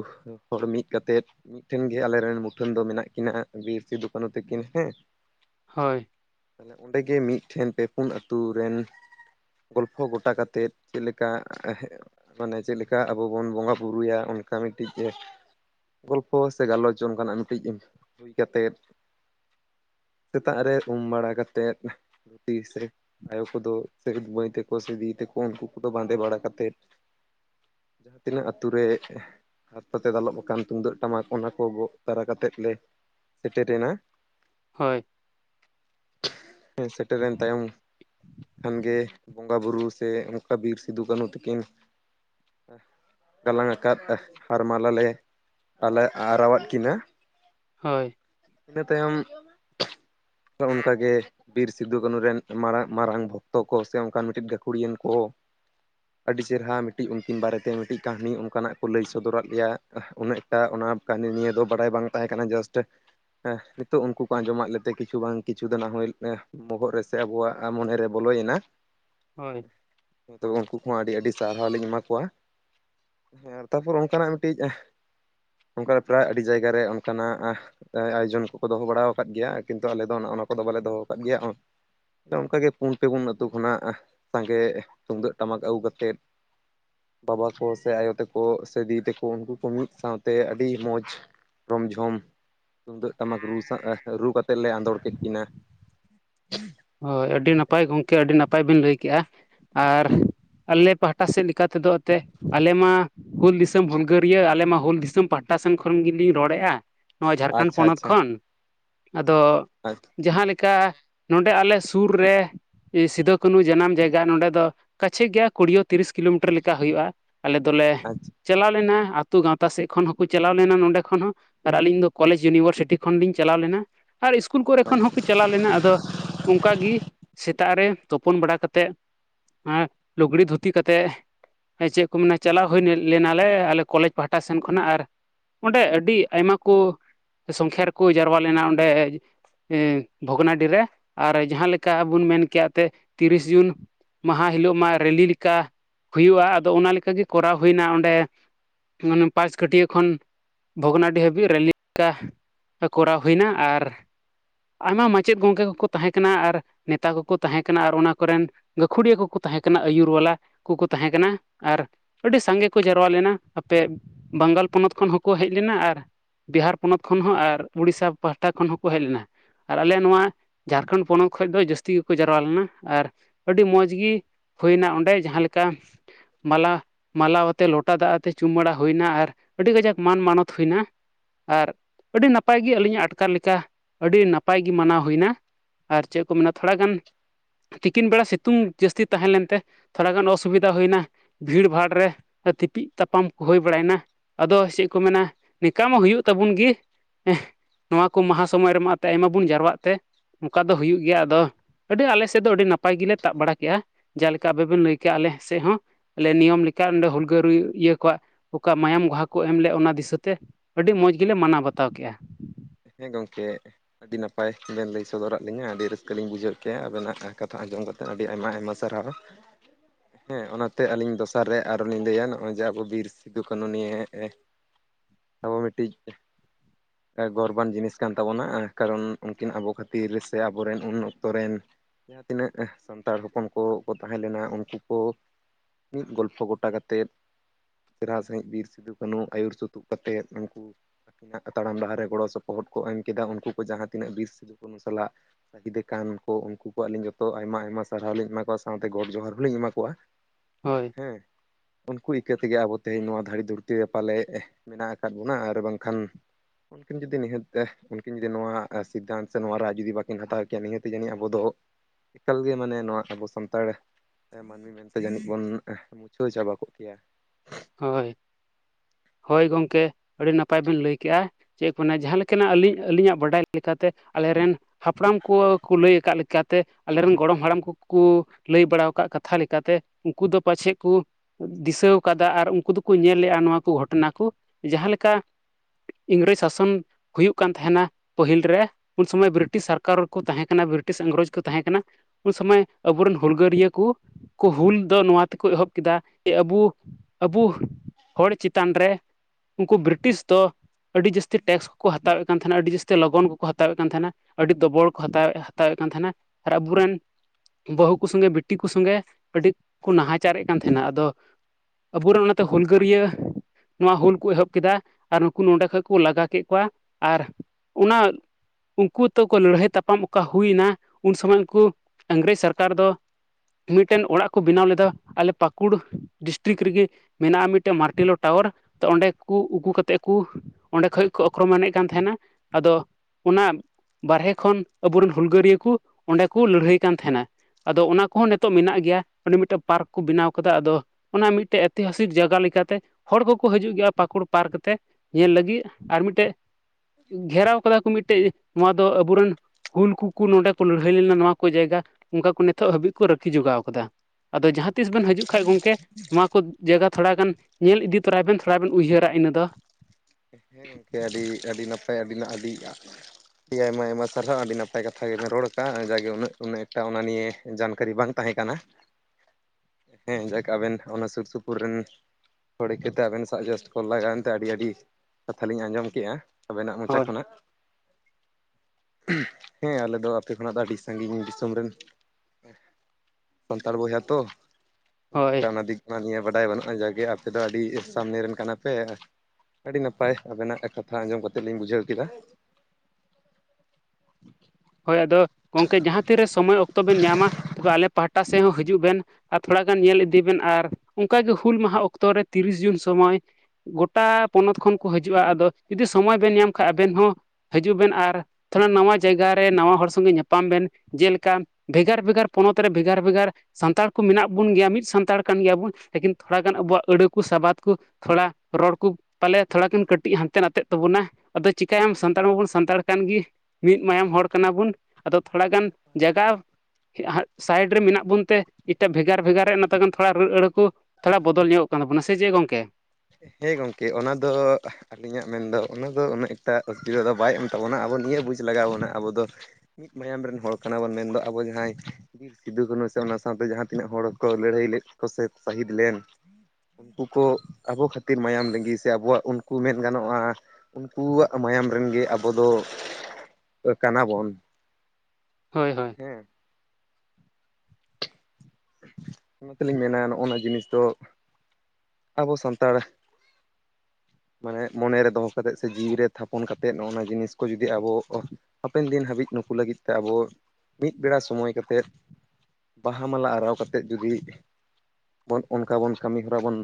ᱦᱚᱲ ᱢᱤᱫ ᱠᱟᱛᱮᱫᱼᱼ ᱢᱤᱫᱴᱷᱮᱱ ᱜᱮ ᱟᱞᱮᱨᱮᱱ ᱢᱩᱴᱷᱟᱹᱱ ᱫᱚ ᱢᱮᱱᱟᱜ ᱠᱤᱱᱟ ᱵᱤᱨ ᱥᱤᱫᱚ ᱠᱟᱹᱱᱦᱩ ᱛᱟᱹᱠᱤᱱ ᱦᱮᱸᱼᱼ ᱦᱳᱭ ᱛᱟᱦᱞᱮ ᱚᱸᱰᱮᱜᱮ ᱢᱤᱫᱴᱷᱮᱱ ᱯᱮ ᱯᱩᱱ ᱟᱛᱳ ᱨᱮᱱ᱾ ᱜᱚᱞᱯᱷᱚ ᱜᱚᱴᱟ ᱠᱟᱛᱮᱫ ᱪᱮᱫ ᱞᱮᱠᱟᱼᱼ ᱢᱟᱱᱮ ᱪᱮᱫ ᱞᱮᱠᱟ ᱟᱵᱚ ᱵᱚᱱ ᱵᱚᱸᱜᱟ ᱵᱩᱨᱩᱭᱟ ᱚᱱᱠᱟ ᱢᱤᱫᱴᱤᱡᱼᱼ ᱜᱚᱞᱯᱚ ᱥᱮ ᱜᱟᱞᱚᱪ ᱚᱱᱠᱟᱱᱟᱜ ᱢᱤᱫᱴᱤᱡ ᱦᱩᱭ ᱠᱟᱛᱮᱫᱼᱼ ᱥᱮᱛᱟᱜ ᱨᱮ ᱩᱢ ᱵᱟᱲᱟ ᱠᱟᱛᱮᱫ ᱛᱤᱥᱮᱼᱼ ᱟᱭᱳ ᱠᱚᱫᱚ ᱥᱮ ᱢᱟᱹᱭ ᱛᱟᱠᱚ ᱥᱮ ᱫᱤᱫᱤ ᱛᱮᱠᱚ ᱩᱱᱠᱩ ᱠᱚᱫᱚ ᱵᱟᱸᱫᱮ ᱵᱟᱲᱟ ᱠᱟᱛᱮᱫ ᱛᱤᱱᱟᱹᱜ ᱟᱛᱩ ᱨᱮᱼᱼ ᱦᱟᱨᱛᱟ ᱛᱮ ᱫᱟᱞᱚᱵ ᱟᱠᱟᱱ ᱛᱩᱢᱫᱟᱹᱜ ᱴᱟᱢᱟᱠ ᱚᱱᱟ ᱠᱚ ᱜᱚᱜ ᱛᱟᱨᱟ ᱠᱟᱛᱮᱫ ᱞᱮᱼᱼ ᱥᱮᱴᱮᱨᱮᱱᱟ ᱾ ᱦᱳᱭ ᱥᱮᱴᱮᱨᱮᱱ ᱛᱟᱭᱚᱢ ᱠᱷᱟᱱ ᱜᱮᱼᱼ ᱵᱚᱸᱜᱟ ᱵᱩᱨᱩ ᱥᱮ ᱚᱱᱠᱟ ᱵᱤᱨ ᱥᱤᱫᱩ ᱠᱟᱹᱱᱩ ᱛᱟᱹᱠᱤᱱ᱾ ᱜᱟᱞᱟᱝ ᱟᱠᱟᱫ ᱦᱟᱨ ᱢᱟᱞᱟ ᱞᱮ ᱟᱞᱮ ᱟᱨᱣᱟᱫ ᱠᱤᱱᱟᱹ᱾ ᱦᱳᱭ ᱤᱱᱟᱹ ᱛᱟᱭᱚᱢ ᱚᱱᱠᱟᱟᱜᱮ᱾ ᱵᱤᱨ ᱥᱤᱫᱩ ᱠᱟᱹᱱᱩ ᱨᱮᱱ ᱢᱟᱨᱟᱝ ᱢᱟᱨᱟᱝ ᱵᱷᱚᱠᱛᱚ ᱠᱚ ᱥᱮ ᱚᱱᱠᱟᱱ ᱢᱤᱫᱴᱮᱱ ᱜᱟᱹᱠᱷᱩᱲᱤᱭᱟᱹᱟᱱ ᱠᱚ᱾ ᱟᱹᱰᱤ ᱪᱮᱦᱨᱟ ᱢᱤᱫᱴᱤᱡ ᱩᱱᱠᱤᱱ ᱵᱟᱨᱮᱛᱮ ᱢᱤᱫᱴᱤᱡ ᱠᱟᱹᱦᱱᱤ ᱚᱱᱠᱟᱱᱟᱜ ᱠᱚ ᱞᱟᱹᱭ ᱥᱚᱫᱚᱨᱟᱜ ᱞᱮᱭᱟ᱾ ᱩᱱᱟᱹᱜ ᱮᱴᱟ ᱚᱱᱟ ᱠᱟᱹᱱᱤ ᱱᱤᱭᱮ ᱫᱚ ᱵᱟᱰᱟᱭ ᱵᱟᱝ ᱛᱟᱦᱮᱸ ᱠᱟᱱᱟ ᱡᱟᱥᱴᱼᱼ ᱦᱮᱸ ᱱᱤᱛᱚᱜ ᱩᱱᱠᱩ ᱠᱚ ᱟᱸᱡᱚᱢᱟᱜ ᱞᱮᱛᱮ ᱠᱤᱪᱷᱩ ᱵᱟᱝ ᱠᱤᱪᱷᱩ ᱫᱚ ᱱᱟᱼᱼ ᱵᱚᱦᱚᱜ ᱨᱮᱥᱮ ᱟᱵᱚᱣᱟᱜ ᱢᱚᱱᱮᱨᱮ ᱵᱚᱞᱚᱭᱮᱱᱟ᱾ ᱦᱳᱭ ᱛᱚᱵᱮ ᱩᱱᱠᱩ ᱠᱚᱦᱚᱸ ᱟᱹᱰᱤ ᱟᱹᱰᱤ ᱥᱟᱨᱦᱟᱣ ᱞᱤᱧ ᱮᱢᱟ ᱠᱚᱣᱟ᱾ ᱦᱮ ᱛᱟᱯᱚᱨ ᱚᱱᱠᱟᱱᱟᱜ ᱢᱤᱫᱴᱤᱡ ᱚᱱᱠᱟᱱᱟᱜ ᱯᱨᱟᱭ ᱟᱹᱰᱤ ᱡᱟᱭᱜᱟᱨᱮ ᱚᱱᱠᱟᱱᱟᱜᱼᱼ ᱟᱭᱳᱡᱚᱱ ᱠᱚᱠᱚ ᱫᱚᱦᱚ ᱵᱟᱲᱟ ᱟᱠᱟᱫ ᱜᱮᱭᱟ ᱠᱤᱱᱛᱩ ᱟᱞᱮ ᱫᱚ ᱚᱱᱟ ᱠᱚᱫᱚ ᱵᱟᱞᱮ ᱫᱚᱦᱚ ᱟᱠᱟᱫ ᱜᱮᱭᱟ᱾ ᱟᱫᱚ ᱚᱱᱠᱟᱜᱮ ᱯᱩᱱ ᱯᱮ ᱯᱩᱱ ᱟᱹᱛᱩ ᱠᱷᱚᱱᱟᱜ ᱥᱟᱸᱜᱮ ᱛᱩᱢᱫᱟᱹᱜ ᱴᱟᱢᱟᱠ ᱟᱹᱜᱩ ᱠᱟᱛᱮᱫᱼᱼ ᱵᱟᱵᱟ ᱠᱚ ᱥᱮ ᱟᱭᱳ ᱛᱟᱠᱚ ᱥᱮ ᱫᱤᱫᱤ ᱛᱟᱠᱚ ᱩᱱᱠᱩ ᱠᱚ ᱢᱤᱫ ᱥᱟᱶᱛᱮ ᱟᱹᱰᱤ ᱢᱚᱡᱽᱼᱼ ᱨᱚᱢ ᱡᱷᱚᱢ ᱛᱩᱢᱫᱟᱹᱜ ᱴᱟᱢᱟᱠ ᱨᱩ ᱥᱟ ᱨᱩ ᱠᱟᱛᱮᱫ ᱞᱮ ᱟᱸᱫᱳᱲ ᱠᱮᱫ ᱠᱤᱱᱟᱹ᱾ ᱦᱳᱭ ᱟᱹᱰᱤ ᱱᱟᱯᱟᱭ ᱜᱚᱢᱠᱮ ᱟᱹᱰᱤ ᱱᱟᱯᱟᱭ ᱵᱤᱱ ᱞᱟᱹᱭ ᱠᱮᱜᱼᱟ ᱟᱨᱼᱼ ᱟᱞᱮ ᱯᱟᱦᱴᱟ ᱥᱮᱫ ᱞᱮᱠᱟ ᱛᱮᱫᱚ ᱮᱱᱛᱮᱫ ᱟᱞᱮ ᱢᱟ᱾ ᱦᱩᱞ ᱫᱤᱥᱚᱢ ᱦᱩᱞᱜᱟᱹᱨᱭᱟᱹ ᱟᱞᱮᱢᱟ ᱦᱩᱞ ᱫᱤᱥᱚᱢ ᱯᱟᱦᱴᱟ ᱥᱮᱱ ᱠᱷᱚᱱ ᱜᱮᱞᱤᱧ ᱨᱚᱲᱮᱫᱼᱟ᱾ ᱱᱚᱜ-ᱚᱭ ᱡᱷᱟᱲᱠᱷᱚᱸᱰ ᱟᱪᱪᱷᱟ ᱯᱚᱱᱚᱛ ᱟᱪᱪᱷᱟ ᱠᱷᱚᱱ᱾ ᱟᱫᱚ ᱡᱟᱦᱟᱸ ᱞᱮᱠᱟ ᱱᱚᱰᱮ ᱟᱞᱮ ᱥᱩᱨ ᱨᱮᱼᱼ ᱥᱤᱫᱩ ᱠᱟᱱᱦᱩ ᱡᱟᱱᱟᱢ ᱡᱟᱭᱜᱟ ᱱᱚᱸᱰᱮ ᱫᱚ ᱠᱟᱪᱷᱮ ᱜᱮᱭᱟ ᱠᱩᱲᱤᱭᱚ ᱛᱤᱨᱤᱥ ᱠᱤᱞᱳᱢᱤᱴᱟᱨ ᱞᱮᱠᱟ ᱦᱩᱭᱩᱜᱼᱟ᱾ ᱟᱞᱮ ᱫᱚᱞᱮ ᱟᱪᱪᱷᱟ ᱪᱟᱞᱟᱣ ᱞᱮᱱᱟ ᱟᱹᱛᱩ ᱜᱟᱶᱛᱟ ᱥᱮᱫ ᱠᱷᱚᱱ ᱦᱚᱸᱠᱚ ᱪᱟᱞᱟᱣ ᱞᱮᱱᱟ ᱱᱚᱰᱮ ᱠᱷᱚᱱ ᱦᱚᱸ᱾ ᱟᱨ ᱟᱹᱞᱤᱧ ᱫᱚ ᱠᱚᱞᱮᱡ ᱤᱭᱩᱱᱤᱵᱷᱟᱨᱥᱤᱴᱤ ᱠᱷᱚᱱᱞᱤᱧ ᱪᱟᱞᱟᱣ ᱞᱮᱱᱟ, ᱟᱨ ᱤᱥᱠᱩᱞ ᱠᱚᱨᱮ ᱠᱷᱚᱱ ᱦᱚᱸᱠᱚ ᱪᱟᱞᱟᱣ ᱞᱮᱱᱟ, ᱟᱫᱚ ᱚᱱᱠᱟ ᱜᱤ ᱥᱮᱛᱟᱜ ᱨᱮ ᱛᱳᱯᱳᱱ ᱵᱟᱲᱟ ᱠᱟᱛᱮᱜ ᱦᱮᱸᱜ ᱞᱩᱜᱽᱲᱤ ᱫᱷᱩᱛᱤ ᱠᱟᱛᱮᱜ ᱦᱮᱸ ᱪᱮᱫ ᱠᱩ ᱢᱮᱱᱟ ᱪᱟᱞᱟᱣ ᱦᱩᱭ ᱞᱮᱱᱟᱞᱮ ᱟᱞᱮ ᱠᱚᱞᱮᱡ ᱯᱟᱦᱟᱴᱟ ᱥᱮᱱ ᱠᱷᱚᱱᱟᱜ, ᱟᱨ ᱚᱸᱰᱮ ᱟᱹᱰᱤ ᱟᱭᱢᱟ ᱠᱩ ᱥᱚᱝᱠᱷᱮ ᱨᱮᱠᱚ ᱡᱟᱨᱣᱟ ᱞᱮᱱᱟ ᱚᱸᱰᱮ ᱵᱷᱚᱜᱽᱱᱟᱰᱤ ᱨᱮ, ᱟᱨ ᱡᱟᱦᱟᱸ ᱞᱮᱠᱟ ᱵᱚᱱ ᱢᱮᱱ ᱠᱮᱭᱟᱜ ᱛᱮ ᱛᱤᱨᱤᱥ ᱡᱩᱱ ᱢᱟᱦᱟ ᱦᱤᱞᱳᱜ ᱢᱟ ᱨᱮᱞᱤ ᱞᱮᱠᱟ ᱦᱩᱭᱩᱜᱼᱟ, ᱟᱫᱚ ᱚᱱᱟ ᱞᱮᱠᱟᱜᱮ ᱠᱚᱨᱟᱣ ᱦᱩᱭᱱᱟ ᱚᱸᱰᱮ᱾ ᱢᱟᱱᱮ ᱯᱟᱸᱪ ᱠᱟᱹᱴᱷᱭᱟᱹ ᱠᱷᱚᱱ ᱵᱷᱚᱜᱽᱱᱟᱰᱤ ᱦᱟᱹᱵᱤᱡ ᱨᱮᱞᱤ ᱞᱮᱠᱟ ᱠᱚᱨᱟᱣ ᱦᱩᱭᱱᱟ, ᱟᱨ ᱟᱭᱢᱟ ᱢᱟᱪᱮᱫ ᱜᱚᱢᱠᱮ ᱠᱚᱠᱚ ᱛᱟᱦᱮᱸ ᱠᱟᱱᱟ ᱟᱨ ᱱᱮᱛᱟ ᱠᱚᱠᱚ ᱛᱟᱦᱮᱸ ᱠᱟᱱᱟ ᱟᱨ ᱚᱱᱟ ᱠᱚᱨᱮᱱ ᱜᱟᱹᱠᱷᱩᱲᱤᱭᱟᱹ ᱠᱚᱠᱚ ᱛᱟᱦᱮᱸ ᱠᱟᱱᱟ ᱟᱹᱭᱩᱨ ᱵᱟᱞᱟ ᱠᱚᱠᱚ ᱛᱟᱦᱮᱸ ᱠᱟᱱᱟ, ᱟᱨ ᱟᱹᱰᱤ ᱥᱟᱸᱜᱮ ᱠᱚ ᱡᱟᱣᱣᱟ ᱞᱮᱱᱟ, ᱟᱯᱮ ᱵᱟᱝᱜᱟᱞ ᱯᱚᱱᱚᱛ ᱠᱷᱚᱱ ᱦᱚᱸᱠᱚ ᱦᱮᱡ ᱞᱮᱱᱟ, ᱟᱨ ᱵᱤᱦᱟᱨ ᱯᱚᱱᱚᱛ ᱠᱷᱚᱱ ᱦᱚᱸ ᱟᱨ ᱩᱲᱤᱥᱥᱟ ᱯᱟᱦᱴᱟ ᱠᱷᱚᱱ ᱦᱚᱸᱠᱚ ᱦᱮᱡ ᱞᱮᱱᱟ ᱟᱨ ᱟᱞᱮ ᱱᱚᱣᱟ ᱡᱷᱟᱲᱠᱷᱚᱸᱰ ᱯᱚᱱᱚᱛ ᱠᱷᱚᱡ ᱫᱚ ᱡᱟᱹᱥᱛᱤ ᱜᱮᱠᱚ ᱡᱟᱨᱣᱟ ᱞᱮᱱᱟ, ᱟᱨ ᱟᱹᱰᱤ ᱢᱚᱡᱽ ᱜᱤ ᱦᱩᱭᱱᱟ ᱚᱸᱰᱮ ᱡᱟᱦᱟᱸ ᱞᱮᱠᱟ ᱢᱟᱞᱟ ᱢᱟᱞᱟᱣᱟ ᱟᱛᱮ ᱞᱚᱴᱟ ᱫᱟᱜ ᱟᱛᱮ ᱪᱩᱢᱟᱹᱲᱟ ᱦᱩᱭᱱᱟ ᱟᱨ ᱟᱹᱰᱤ ᱠᱟᱡᱟᱠ ᱢᱟᱱ ᱢᱟᱱᱚᱛ ᱦᱩᱭᱱᱟ᱾ ᱟᱨ ᱟᱹᱰᱤ ᱱᱟᱯᱟᱭ ᱜᱮ ᱟᱹᱞᱤᱧᱟᱜ ᱟᱴᱠᱟᱨ ᱞᱮᱠᱟ ᱟᱹᱰᱤ ᱱᱟᱯᱟᱭ ᱜᱤ ᱢᱟᱱᱟᱣ ᱦᱩᱭᱱᱟ᱾ ᱟᱨ ᱪᱮᱫ ᱠᱩ ᱢᱮᱱᱟ ᱛᱷᱚᱲᱟ ᱜᱟᱱ ᱛᱤᱠᱤᱱ ᱵᱮᱲᱟ ᱥᱤᱛᱩᱝ ᱡᱟᱹᱥᱛᱤ ᱛᱟᱦᱮᱸ ᱞᱮᱱᱛᱮ ᱛᱷᱚᱲᱟ ᱜᱟᱱ ᱚᱥᱩᱵᱤᱫᱷᱟ ᱦᱩᱭᱮᱱᱟ᱾ ᱵᱷᱤᱲ ᱵᱷᱟᱲ ᱨᱮ ᱛᱤᱯᱤᱫ ᱛᱟᱯᱟᱢ ᱠᱚ ᱦᱩᱭ ᱵᱟᱲᱟᱭᱮᱱᱟ᱾ ᱟᱫᱚ ᱪᱮᱜ ᱠᱚ ᱢᱮᱱᱟ ᱱᱮᱠᱟ ᱢᱟ ᱦᱩᱭᱩᱜ ᱛᱟᱵᱚᱱ ᱜᱮ ᱦᱮᱸ᱾ ᱱᱚᱣᱟ ᱠᱚ ᱢᱟᱦᱟ ᱥᱳᱢᱳᱭ ᱨᱮᱢᱟ ᱮᱛᱮᱜ ᱟᱭᱢᱟ ᱵᱚᱱ ᱡᱟᱨᱣᱟᱜ ᱛᱮ ᱚᱝᱠᱟ ᱫᱚ ᱦᱩᱭᱩᱜ ᱜᱮᱭᱟ ᱟᱫᱚ ᱟᱹᱰᱤ ᱟᱞᱮ ᱥᱮᱫ ᱫᱚ ᱟᱹᱰᱤ ᱱᱟᱯᱟᱭ ᱜᱮᱞᱮ ᱛᱟᱵ ᱵᱟᱲᱟ ᱠᱮᱜᱼᱟ ᱾ ᱡᱮᱞᱠᱟ ᱟᱵᱮ ᱵᱮᱱ ᱞᱟᱹᱭ ᱠᱮᱜᱼᱟ ᱟᱞᱮ ᱥᱮᱫ ᱦᱚᱸ ᱾ ᱟᱞᱮ ᱱᱤᱭᱚᱢ ᱞᱮᱠᱟ ᱱᱚᱸᱰᱮ ᱦᱩᱞᱜᱟᱹᱨᱤᱭᱟᱹ ᱤᱭᱟ ᱠᱚᱣᱟᱜ ᱚᱠᱟ ᱢᱟᱭᱟᱢ ᱵᱟᱦᱟ ᱠᱚ ᱮᱢ ᱞᱮᱫ ᱚᱱᱟ ᱫᱤᱥᱟᱹᱛᱮ᱾ ᱟᱹᱰᱤ ᱢᱚᱡᱽ ᱜᱮᱞᱮ ᱢᱟᱱᱟᱣ ᱵᱟᱛᱟᱣ ᱠᱮᱫᱼᱟ ᱾ ᱦᱮᱸ ᱜᱚᱝᱠᱮ ᱾ ᱟᱹᱰᱤ ᱱᱟᱯᱟᱭ ᱵᱮᱱ ᱞᱟᱹᱭ ᱥᱚᱫᱚᱨᱟᱜ ᱞᱤᱧᱟ ᱟᱹᱰᱤ ᱨᱟᱹᱥᱠᱟᱹ ᱞᱤᱧ ᱵᱩᱡᱷᱟᱹᱣᱮᱫ ᱠᱮᱜ-ᱟ, ᱟᱵᱮᱱᱟᱜ ᱠᱟᱛᱷᱟ ᱟᱸᱡᱚᱢ ᱠᱟᱛᱮᱫ ᱟᱹᱰᱤ ᱟᱭᱢᱟ ᱟᱭᱢᱟ ᱥᱟᱨᱦᱟᱣ᱾ [inaudible] ᱦᱮᱸ ᱚᱱᱟᱛᱮ ᱟᱹᱞᱤᱧ ᱫᱚᱥᱟᱨ ᱨᱮ ᱟᱨᱚᱞᱤᱧ ᱞᱟᱹᱭᱟ ᱱᱚᱜᱼᱚᱭ ᱡᱮ ᱟᱵᱚ ᱵᱤᱨ ᱥᱤᱫᱩ ᱠᱟᱱᱩ ᱱᱤᱭᱮ ᱮᱸ ᱟᱵᱚ ᱢᱤᱫᱴᱤᱡ ᱜᱚᱨᱚᱵᱟᱱ ᱡᱤᱱᱤᱥ ᱠᱟᱱ ᱛᱟᱵᱚᱱᱟ ᱠᱟᱨᱚᱱ ᱩᱱᱠᱤᱱ ᱟᱵᱚ ᱠᱷᱟᱹᱛᱤᱨ ᱥᱮ ᱟᱵᱚᱨᱮᱱ ᱩᱱ ᱚᱠᱛᱚ ᱨᱮᱱ ᱡᱟᱦᱟᱸ ᱛᱤᱱᱟᱹᱜ ᱥᱟᱱᱛᱟᱲ ᱦᱚᱯᱚᱱ ᱠᱚ ᱠᱚ ᱛᱟᱦᱮᱸ ᱞᱮᱱᱟ ᱩᱱᱠᱩ ᱠᱚ ᱢᱤᱫ ᱜᱚᱞᱯᱷᱚ ᱜᱚᱴᱟ ᱠᱟᱛᱮᱫ ᱪᱮᱨᱦᱟ ᱥᱟᱹᱦᱤᱡ ᱵᱤᱨ ᱥᱤᱫᱩ ᱠᱟᱹᱱᱩ ᱟᱹᱭᱩᱨ ᱥᱩᱛᱩᱜ ᱠᱟᱛᱮᱫ ᱩᱱᱠᱩ ᱟᱹᱠᱤᱱᱟᱜ ᱛᱟᱲᱟᱢ ᱰᱟᱦᱟᱨᱮ ᱜᱚᱲᱚ ᱥᱚᱯᱚᱦᱚᱫ ᱠᱚ ᱮᱢ ᱠᱮᱫᱟ ᱩᱱᱠᱩ ᱠᱚ ᱡᱟᱦᱟᱸ ᱛᱤᱱᱟᱹᱜ ᱵᱤᱨ ᱥᱤᱫᱷᱩ ᱠᱟᱱᱩ ᱥᱟᱞᱟᱜ ᱥᱟᱹᱦᱤᱫ ᱟᱠᱟᱱ ᱠᱚ ᱩᱱᱠᱩ ᱠᱚᱣᱟᱜᱞᱤᱧ ᱡᱚᱛᱚ ᱟᱭᱢᱟ ᱟᱭᱢᱟ ᱥᱟᱨᱦᱟᱣ ᱞᱤᱧ ᱮᱢᱟ ᱠᱚᱣᱟ ᱥᱟᱶᱛᱮ ᱜᱚᱰ ᱡᱚᱦᱟᱨ ᱦᱚᱞᱤᱧ ᱮᱢᱟ ᱠᱚᱣᱟ ᱾ [inaudible] ᱦᱮᱸ, ᱩᱱᱠᱩ ᱤᱠᱟᱹ ᱛᱮᱜᱮ ᱟᱵᱚ ᱛᱮᱸᱦᱤᱧ ᱱᱚᱣᱟ ᱫᱷᱟᱹᱲᱤ ᱫᱷᱩᱨᱛᱤ ᱨᱮ ᱯᱟᱞᱮ ᱢᱮᱱᱟᱜ ᱟᱠᱟᱫ ᱵᱚᱱᱟ ᱟᱨ ᱵᱟᱝᱠᱷᱟᱱ ᱩᱱᱠᱤᱱ ᱡᱩᱫᱤ ᱱᱤᱦᱟᱹᱛ ᱛᱮ ᱩᱱᱠᱤᱱ ᱡᱩᱫᱤ ᱱᱚᱣᱟ ᱥᱤᱫᱽᱫᱷᱟᱱ ᱥᱮ ᱱᱚᱣᱟ ᱨᱟᱭ ᱡᱩᱫᱤ ᱵᱟᱠᱤᱱ ᱦᱟᱛᱟᱣ ᱠᱮᱭᱟ ᱱᱤᱭᱟᱹᱛᱮ ᱡᱟᱹᱱᱤᱡ ᱟᱵᱚ ᱫᱚ ᱮᱠᱟᱞᱜᱮ ᱢᱟᱱᱮ ᱱᱚᱣᱟ ᱟᱵᱚ ᱥᱟᱱᱛᱟᱲ ᱢᱟᱹᱱᱢᱤ ᱢᱮᱱᱛᱮ ᱡᱟᱹᱱᱤᱡ ᱵᱚᱱ ᱢᱩᱪᱷᱟᱹᱣ ᱪᱟᱵᱟ ᱠᱚᱜ ᱠᱮᱭᱟ᱾ ᱦᱳᱭ ᱦᱳᱭ ᱜᱚᱝᱠᱮ ᱟᱹᱰᱤ ᱱᱟᱯᱟᱭ ᱵᱤᱱ ᱞᱟᱹᱭ ᱠᱮᱜᱼᱟ᱾ ᱪᱮᱫ ᱠᱚ ᱢᱮᱱᱟ ᱡᱟᱦᱟᱸ ᱞᱮᱠᱟᱱᱟᱜ ᱟᱹᱞᱤᱧ ᱟᱹᱞᱤᱧᱟᱜ ᱵᱟᱰᱟᱭ ᱞᱮᱠᱟᱛᱮ ᱟᱞᱮᱨᱮᱱ ᱦᱟᱯᱲᱟᱢ ᱠᱚ ᱠᱚ ᱞᱟᱹᱭ ᱟᱠᱟᱫ ᱞᱮᱠᱟᱛᱮ ᱟᱞᱮ ᱨᱮᱱ ᱜᱚᱲᱚᱢ ᱦᱟᱲᱟᱢ ᱠᱚᱠᱚ ᱞᱟᱹᱭ ᱵᱟᱲᱟᱣ ᱟᱠᱟᱫ ᱠᱟᱛᱷᱟ ᱞᱮᱠᱟᱛᱮ ᱩᱝᱠᱩ ᱫᱚ ᱯᱟᱪᱮᱫ ᱠᱚ ᱫᱤᱥᱟᱹᱣ ᱟᱠᱟᱫᱟ᱾ ᱟᱨ ᱩᱱᱠᱩ ᱫᱚᱠᱚ ᱧᱮᱞ ᱞᱮᱜᱼᱟ ᱱᱚᱣᱟ ᱠᱚ ᱜᱷᱚᱴᱚᱱᱟ ᱠᱚ ᱡᱟᱦᱟᱸ ᱞᱮᱠᱟ ᱤᱝᱨᱮᱡᱽ ᱥᱟᱥᱚᱱ ᱦᱩᱭᱩᱜ ᱠᱟᱱ ᱛᱟᱦᱮᱱᱟ᱾ ᱯᱟᱹᱦᱤᱞ ᱨᱮ ᱩᱱ ᱥᱚᱢᱚᱭ ᱵᱨᱤᱴᱤᱥ ᱥᱚᱨᱠᱟᱨ ᱠᱚ ᱛᱟᱦᱮᱸ ᱠᱟᱱᱟ ᱵᱨᱤᱴᱤᱥ ᱤᱝᱨᱚᱡᱽ ᱠᱚ ᱛᱟᱦᱮᱸ ᱠᱟᱱᱟ ᱾ ᱩᱱ ᱥᱚᱢᱚᱭ ᱟᱵᱚᱨᱮᱱ ᱦᱩᱞᱜᱟᱹᱨᱤᱭᱟᱹ ᱠᱚ ᱦᱩᱞ ᱫᱚ ᱱᱚᱣᱟ ᱛᱮᱠᱚ ᱮᱦᱚᱵ ᱠᱮᱫᱟ ᱡᱮ ᱟᱵᱚ ᱟᱵᱚ ᱦᱚᱲ ᱪᱮᱛᱟᱱ ᱨᱮ ᱩᱱᱠᱩ ᱵᱨᱤᱴᱤᱥ ᱫᱚ ᱟᱹᱰᱤ ᱡᱟᱹᱥᱛᱤ ᱴᱮᱠᱥ ᱠᱚᱠᱚ ᱦᱟᱛᱟᱣᱮᱫ ᱠᱟᱱ ᱛᱟᱦᱮᱱᱟ ᱟᱹᱰᱤ ᱡᱟᱹᱥᱛᱤ ᱞᱚᱜᱚᱱ ᱠᱚᱠᱚ ᱦᱟᱛᱟᱣᱮᱫ ᱠᱟᱱ ᱛᱟᱦᱮᱱᱟ᱾ ᱟᱹᱰᱤ ᱫᱚᱵᱚᱲ ᱠᱚ ᱦᱟᱛᱟᱣ ᱦᱟᱛᱟᱣᱮᱫ ᱠᱟᱱ ᱛᱟᱦᱮᱱᱟ ᱟᱨ ᱟᱵᱚᱨᱮᱱ ᱵᱟᱹᱦᱩ ᱠᱚ ᱥᱚᱝᱜᱮ ᱵᱤᱴᱤ ᱠᱚ ᱥᱚᱸᱜᱮ ᱟᱹᱰᱤ ᱠᱚ ᱱᱟᱦᱟᱪᱟᱨᱮᱫ ᱠᱟᱱ ᱛᱟᱦᱮᱱᱟ ᱟᱫᱚ ᱟᱵᱚᱨᱮᱱ ᱚᱱᱟᱛᱮ ᱦᱩᱞᱜᱟᱹᱨᱤᱭᱟᱹ᱾ ᱱᱚᱣᱟ ᱦᱩᱞ ᱠᱚ ᱮᱦᱚᱵ ᱠᱮᱫᱟ ᱟᱨ ᱱᱩᱠᱩ ᱱᱚᱸᱰᱮ ᱠᱷᱚᱡ ᱠᱚ ᱞᱟᱜᱟ ᱠᱮᱫ ᱠᱚᱣᱟ ᱟᱨ ᱚᱱᱟ ᱩᱱᱠᱩ ᱛᱚᱠᱚ ᱞᱟᱹᱲᱦᱟᱹᱭ ᱛᱟᱯᱟᱢ ᱚᱱᱠᱟ ᱦᱩᱭᱱᱟ ᱩᱱ ᱥᱚᱢᱚᱭ ᱩᱱᱠᱩ ᱤᱝᱨᱮᱡᱽ ᱥᱚᱨᱠᱟᱨ ᱫᱚ ᱢᱤᱜᱴᱮᱱ ᱚᱲᱟᱜ ᱠᱚ ᱵᱮᱱᱟᱣ ᱞᱮᱫᱟ ᱟᱞᱮ ᱯᱟᱠᱩᱲ ᱰᱤᱥᱴ, ᱴᱨᱤᱠ ᱨᱮᱜᱮ ᱢᱮᱱᱟᱜᱼᱟ ᱢᱤᱫᱴᱮᱱ ᱢᱟᱨᱴᱤᱞᱳ ᱴᱟᱣᱟᱨ ᱛᱚ ᱚᱸᱰᱮ ᱠᱚ ᱩᱠᱩ ᱠᱟᱛᱮᱫ ᱠᱩ ᱚᱸᱰᱮ ᱠᱷᱚᱡ ᱠᱚ ᱟᱠᱨᱚᱢᱚᱱᱮᱫ ᱠᱟᱱ ᱛᱟᱦᱮᱱᱟ ᱟᱫᱚ ᱚᱱᱟ ᱵᱟᱨᱦᱮ ᱠᱷᱚᱱ ᱟᱵᱚᱨᱮᱱ ᱦᱩᱞᱜᱟᱹᱨᱤᱭᱟᱹ ᱠᱚ ᱚᱸᱰᱮ ᱠᱚ ᱞᱟᱹᱲᱦᱟᱹᱭ ᱠᱟᱱ ᱛᱟᱦᱮᱸᱱᱟ ᱟᱫᱚ ᱚᱱᱟ ᱠᱚᱦᱚᱸ ᱱᱮ ᱛᱚ ᱟᱪᱪᱷᱟ ᱢᱮᱱᱟᱜ ᱜᱮᱭᱟ ᱚᱸᱰᱮ ᱢᱤᱫᱴᱮᱡ ᱯᱟᱨᱠ ᱠᱚ ᱵᱮᱱᱟᱣ ᱠᱟᱫᱟ ᱟᱫᱚ ᱚᱱᱟ ᱢᱤᱫᱴᱮᱡ ᱮᱛᱤᱦᱟᱥᱤᱠ ᱡᱟᱭᱜᱟ ᱞᱮᱠᱟᱛᱮ ᱦᱚᱲ ᱠᱚᱠᱚ ᱦᱤᱡᱩᱜ ᱜᱮᱭᱟ ᱯᱟᱹᱠᱩᱲ ᱯᱟᱨᱠ ᱛᱮ ᱾ ᱧᱮᱞ ᱞᱟᱹᱜᱤᱫ ᱟᱨ ᱢᱤᱫᱴᱮᱡ ᱜᱷᱮᱨᱟᱣ ᱠᱟᱫᱟ ᱠᱚ ᱢᱤᱫᱴᱮᱡ ᱱᱚᱣᱟ ᱫᱚ ᱟᱵᱚᱨᱮᱱ ᱦᱩᱞᱠᱩᱠᱩ ᱱᱚᱸᱰᱮ ᱠᱚ ᱞᱟᱹᱲᱦᱟᱹᱭ ᱞᱮᱱᱟ ᱱᱚᱣᱟ ᱠᱚ ᱡᱟᱭᱜᱟ ᱚᱝᱠᱟ ᱠᱚ ᱱᱤᱛᱳᱜ ᱦᱟᱹᱵᱤᱡ ᱠᱚ ᱨᱟᱹᱠᱷᱤ ᱡᱚᱜᱟᱣ ᱠᱟᱫᱟ᱾ ᱟᱫᱚ ᱡᱟᱦᱟᱸ ᱛᱤᱥ ᱵᱮᱱ ᱦᱤᱡᱩᱜ ᱠᱷᱟᱡ ᱜᱚᱝᱠᱮ ᱱᱚᱣᱟ ᱠᱚ ᱡᱟᱭᱜᱟ ᱛᱷᱚᱲᱟ ᱜᱟᱱ ᱧᱮᱞ ᱤᱫᱤ ᱛᱚᱨᱟᱭ ᱵᱮᱱ ᱛᱷᱚᱲᱟ ᱵᱮᱱ ᱩᱭᱦᱟᱹᱨᱟ ᱤᱱᱟᱹ ᱫᱚ ᱾ ᱦᱮᱸ ᱜᱚᱝᱠᱮ ᱟᱹᱰᱤ ᱟᱹᱰᱤ ᱱᱟᱯᱟᱭ ᱟᱹᱰᱤ ᱱᱟᱜ ᱟᱹᱰᱤ ᱟ ᱰᱤ ᱟᱭᱢᱟ ᱟᱭᱢᱟ ᱥᱟᱨᱦᱟᱣ, ᱟᱹᱰᱤ ᱱᱟᱯᱟᱭ ᱠᱟᱛᱷᱟ ᱜᱮᱵᱮᱱ ᱨᱚᱲ ᱠᱟᱜᱼᱟ ᱡᱟᱜᱮ ᱩᱱᱟᱹᱜ ᱩᱱᱟᱹᱜ ᱮᱴᱟᱜ ᱚᱱᱟ ᱱᱤᱭ ᱡᱟᱱᱠᱟᱨᱤ ᱵᱟᱝ ᱛᱟᱦᱮᱸ ᱠᱟᱱᱟ᱾ ᱦᱮᱸ ᱡᱟᱠ ᱟᱵᱮᱱ ᱚᱱᱟ ᱥᱩᱨ ᱥᱩᱯᱩᱨ ᱨᱮᱱ [unintelligible] ᱟᱵᱮᱱ ᱫᱟᱜ ᱡᱟᱥᱴ ᱞᱟᱜᱟᱣᱮᱱ ᱛᱮ ᱟᱹᱰᱤ ᱟᱹᱰᱤ ᱠᱟᱛᱷᱟ ᱞᱤᱧ ᱟᱸᱡᱚᱢ ᱠᱮᱜᱼᱟ ᱟᱵᱮᱱᱟᱜ ᱢᱚᱪᱟ ᱦᱳᱭ ᱠᱷᱚᱱᱟᱜ᱾ ᱦᱮᱸ ᱟᱞᱮ ᱫᱚ ᱟᱯᱮ ᱠᱷᱚᱱᱟᱜ ᱫᱚ ᱟᱹᱰᱤ ᱥᱟᱺᱜᱤᱧ ᱫᱤᱥᱚᱢ ᱨᱮᱱ ᱥᱟᱱᱛᱟᱲ ᱵᱚᱭᱦᱟ ᱛᱚ, ᱩᱱᱟᱹᱜ ᱦᱳᱭ ᱮᱠᱴᱟ ᱚᱱᱟ ᱫᱤᱠ ᱚᱱᱟ ᱱᱤᱭᱮ ᱵᱟᱰᱟᱭ ᱵᱟᱹᱱᱩᱜᱼᱟ, ᱡᱟᱜᱮ ᱟᱯᱮ ᱫᱚ ᱟᱹᱰᱤ ᱥᱟᱢᱱᱮ ᱨᱮᱱ ᱠᱟᱱᱟ ᱯᱮ ᱟᱹᱰᱤ ᱱᱟ ᱯᱟᱭ ᱟᱵᱤᱱᱟᱜ ᱠᱟᱛᱷᱟ ᱟᱸᱡᱚᱢ ᱠᱟᱛᱮᱫ ᱞᱤᱧ ᱵᱩᱡᱷᱟᱹᱣ ᱠᱮᱫᱟ᱾ ᱦᱳᱭ ᱟᱫᱚ ᱜᱚᱢᱠᱮ ᱡᱟᱦᱟᱸ ᱛᱤᱨᱮ ᱥᱚᱢᱚᱭ ᱚᱠᱛᱚ ᱵᱮᱱ ᱧᱟᱢᱟ, ᱛᱚᱵᱮ ᱟᱞᱮ ᱯᱟᱦᱴᱟ ᱥᱮᱫ ᱦᱚᱸ ᱦᱤᱡᱩᱜ ᱵᱮᱱ᱾ ᱟᱨ ᱛᱷᱚᱲᱟ ᱜᱟᱱ ᱧᱮᱞ ᱤᱫᱤ ᱵᱮᱱ, ᱟᱨ ᱚᱱᱠᱟᱜᱮ ᱦᱩᱞ ᱢᱟᱦᱟ ᱚᱠᱛᱚ ᱨᱮ ᱛᱤᱨᱤᱥ ᱡᱩᱱ ᱥᱚᱢᱚᱭ ᱜᱚᱴᱟ ᱯᱚᱱᱚᱛ ᱠᱷᱚᱱ ᱠᱚ ᱦᱤᱡᱩᱜᱼᱟ, ᱟᱫᱚ ᱡᱩᱫᱤ ᱥᱚᱢᱚᱭ ᱵᱮᱱ ᱧᱟᱢ ᱠᱷᱟᱡ ᱟᱵᱮᱱ ᱦᱚᱸ ᱦᱟᱹᱡᱩᱜ ᱵᱮᱱ ᱟᱨ ᱛᱷᱚᱲᱟ ᱱᱟᱣᱟ ᱡᱟᱭ ᱜᱟᱨ ᱨᱮ ᱱᱟᱣᱟ ᱦᱚᱲ ᱥᱚᱸᱜᱮ ᱧᱟᱯᱟᱢ ᱵᱮᱱ, ᱡᱮᱞᱮᱠᱟ ᱵᱷᱮᱜᱟᱨ ᱵᱷᱮᱜᱟᱨ ᱯᱚᱱᱚᱛ ᱨᱮ ᱵᱷᱮᱜᱟᱨ ᱵᱷᱮᱜᱟᱨ ᱥᱟᱱᱛᱟᱲ ᱠᱩ ᱢᱮᱱᱟᱜ ᱵᱚᱱ ᱜᱮᱭᱟ ᱢᱤᱫ ᱥᱟᱱᱛᱟᱲ ᱠᱟᱱ ᱜᱮᱭᱟᱵᱩᱱ ᱦᱮᱸ ᱠᱤᱱᱛᱩ ᱛᱷᱚᱲᱟ ᱜᱟᱱ ᱟᱵᱚᱣᱟᱜ ᱟᱹᱲᱟᱹ ᱠᱚ ᱥᱟᱵᱟᱫ ᱠᱚ ᱛᱷᱚᱲᱟ ᱨᱚᱲ ᱠᱚ ᱯᱟᱞᱮ ᱛᱷᱚᱲᱟ ᱠᱤᱱ ᱠᱟᱹᱴᱤᱡ ᱦᱟᱱᱛᱮ ᱱᱟᱛᱮᱜ ᱛᱟᱵᱚᱱᱟ, ᱟᱫᱚ ᱪᱤᱠᱟᱹᱭᱟᱢ ᱥᱟᱱᱛᱟᱲ ᱢᱟᱵᱚᱱ ᱥᱟᱱᱛᱟᱲ ᱠᱟᱱ ᱜᱤ ᱢᱟᱭᱟᱢ ᱦᱚᱲ ᱠᱟᱱᱟ ᱵᱩᱱ ᱟᱫᱚ ᱛᱷᱚᱲᱟ ᱜᱟᱱ ᱡᱟᱜᱟᱣ ᱠᱤ ᱦᱟᱸᱜ ᱥᱟᱭᱤᱰ ᱨᱮ ᱢᱮᱱᱟᱜ ᱵᱩᱱ ᱛᱮ ᱮᱴᱟᱜ ᱵᱷᱮᱜᱟᱨ ᱵᱷᱮᱜᱟᱨ ᱨᱮ ᱱᱚᱛᱮ ᱜᱟᱱ ᱛᱷᱚᱲᱟ ᱨᱟᱹᱲ ᱟᱹᱲᱟᱹ ᱠᱩ ᱛᱷᱚᱲᱟ ᱵᱚᱫᱚᱞ ᱧᱚᱜ ᱠᱟᱱᱟ ᱵᱚᱱ ᱥᱮ ᱪᱮᱫ ᱜᱚᱝᱠᱮ? ᱦᱮᱸ ᱜᱚᱢᱠᱮ, ᱚᱱᱟ ᱫᱚ ᱟᱹᱞᱤᱧᱟᱜ ᱢᱮᱱᱫᱚ ᱚᱱᱟ ᱫᱚ ᱩᱱᱟᱹᱜ ᱮᱠᱴᱟ ᱚᱥᱩᱵᱤᱫᱟ ᱫᱚ ᱵᱟᱭ ᱮᱢ ᱛᱟᱵᱚᱱᱟ ᱟᱵᱚ ᱱᱤᱭᱟᱹ ᱵᱩᱡᱽ ᱞᱟᱜᱟᱣ ᱵᱚᱱᱟ ᱟᱵᱚ ᱫᱚ ᱢᱤᱫ ᱢᱟᱭᱟᱢ ᱨᱮᱱ ᱦᱚᱲ ᱠᱟᱱᱟ ᱵᱚᱱ, ᱢᱮᱱᱫᱚ ᱟᱵᱚ ᱡᱟᱦᱟᱸᱭ ᱵᱤᱨ ᱥᱤᱫᱩᱼ ᱠᱟᱹᱱᱦᱩ ᱥᱮ ᱚᱱᱟ ᱥᱟᱶᱛᱮ ᱡᱟᱦᱟᱸ ᱛᱤᱱᱟᱹᱜ ᱦᱚᱲ ᱠᱚ ᱞᱟᱹᱲᱦᱟᱹᱭ ᱞᱮᱫ ᱠᱚ ᱥᱮ ᱥᱟᱹᱦᱤᱫ ᱞᱮᱱ ᱩᱱᱠᱩ ᱠᱚ ᱟᱵᱚ ᱠᱷᱟᱹᱛᱤᱨ ᱢᱟᱭᱟᱢ ᱞᱤᱜᱤ ᱥᱮ ᱟᱵᱚᱣᱟᱜ ᱩᱱᱠᱩ ᱢᱮᱱ ᱜᱟᱱᱚᱜᱼᱟ ᱩᱱᱠᱩᱣᱟᱜ ᱢᱟᱭᱟᱢ ᱨᱮᱱ ᱜᱮ ᱟᱵᱚ ᱫᱚ ᱠᱟᱱᱟ ᱵᱚᱱ᱾ ᱦᱳᱭ ᱦᱳᱭ᱾ ᱦᱮᱸ ᱚᱱᱟ ᱛᱮᱞᱤᱧ ᱢᱮᱱᱟ, ᱱᱚᱣᱟ ᱡᱤᱱᱤᱥ ᱫᱚ ᱟᱵᱚ ᱥᱟᱱᱛᱟᱲ ᱢᱟᱱᱮ ᱢᱚᱱᱮ ᱨᱮ ᱫᱚᱦᱚ ᱠᱟᱛᱮᱫ ᱥᱮ ᱡᱤᱣᱤ ᱨᱮ ᱛᱷᱟᱯᱚᱱ ᱠᱟᱛᱮᱫ ᱱᱚᱜᱼᱚᱭ ᱱᱟ ᱡᱤᱱᱤᱥ ᱠᱚ ᱡᱩᱫᱤ ᱟᱵᱚ ᱦᱟᱯᱮᱱ ᱫᱤᱱ ᱦᱟᱹᱵᱤᱡ ᱱᱩᱠᱩ ᱞᱟᱹᱜᱤᱫ ᱛᱮ ᱟᱵᱚ ᱢᱤᱫ ᱵᱮᱲᱟ ᱥᱚᱢᱚᱭ ᱠᱟᱛᱮᱫ, ᱵᱟᱦᱟ ᱢᱟᱞᱟ ᱟᱨᱟᱣ ᱠᱟᱛᱮ, ᱡᱩᱫᱤ ᱵᱚᱱ ᱚᱱᱠᱟ ᱵᱚᱱ ᱠᱟᱹᱢᱤ ᱦᱚᱨᱟ ᱵᱚᱱ